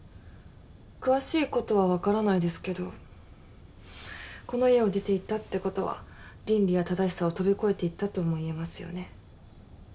詳しい事はわからないですけどこの家を出ていったって事は倫理や正しさを飛び越えていったとも言えますよね。